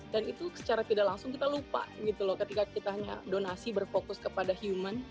dan itu secara tidak langsung kita lupa gitu loh ketika kita donasi berfokus kepada human